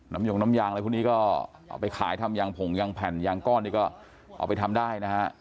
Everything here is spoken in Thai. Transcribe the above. ยงน้ำยางอะไรพวกนี้ก็เอาไปขายทำยางผงยางแผ่นยางก้อนนี่ก็เอาไปทำได้นะฮะ